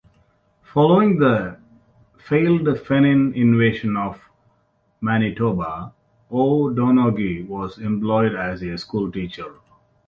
Following the failed Fenian invasion of Manitoba, O'Donoghue was employed as a schoolteacher.